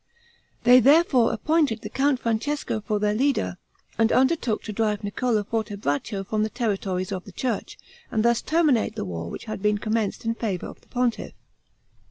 They therefore appointed the Count Francesco for their leader, and undertook to drive Niccolo Fortebraccio from the territories of the church, and thus terminate the war which had been commenced in favor of the pontiff.